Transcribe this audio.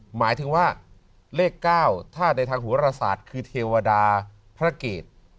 หมายถึงว่าเลข๙ถ้าในทางหัวรศาสตร์คือเทวดาพระเกต